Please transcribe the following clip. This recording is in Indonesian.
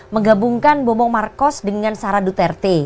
menggabungkan bobo markos dengan sarah duterte